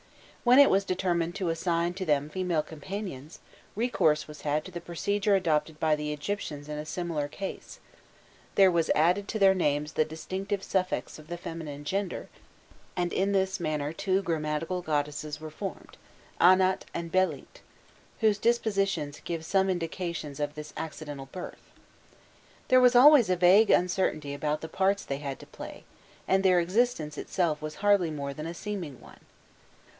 When it was determined to assign to them female companions, recourse was had to the procedure adopted by the Egyptians in a similar case: there was added to their names the distinctive suffix of the feminine gender, and in this manner two grammatical goddesses were formed, Anat and Belit, whose dispositions give some indications of this accidental birth. There was always a vague uncertainty about the parts they had to play, and their existence itself was hardly more than a seeming one.